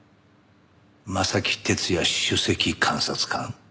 正木哲也首席監察官。